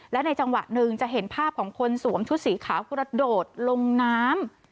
และในจังหวะหนึ่งจะเห็นภาพของคนสวมชุดสีขาวกระโดดลงน้ำ